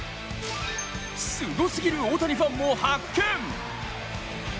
すごすぎる大谷ファンも発見。